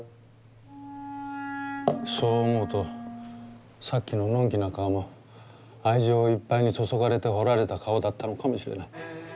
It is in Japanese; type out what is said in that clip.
そう思うとさっきののん気な顔も愛情をいっぱいに注がれて彫られた顔だったのかもしれない。